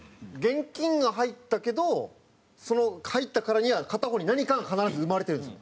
現金が入ったけどその入ったからには片方に何かが必ず生まれてるんですよ。